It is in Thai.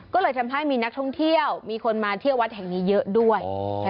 ก็เลยทำให้มีนักท่องเที่ยวมีคนมาเที่ยววัดแห่งนี้เยอะด้วย